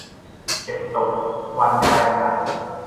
เก็บตกวันแรงงาน